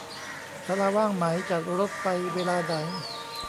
ศาลาว่างไหม จัดรถไปเวลาไหน